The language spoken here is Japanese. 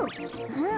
うん？